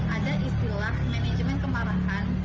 ada istilah manajemen kemarahan